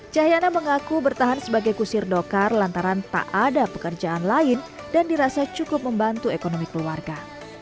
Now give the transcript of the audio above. cahyana mengaku bertahan sebagai kusir dokar lantaran tak ada pekerjaan lain dan dirasa cukup membantu ekonomi keluarga